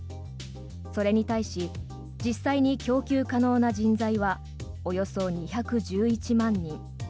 それに対し実際に供給可能な人材はおよそ２１１万人。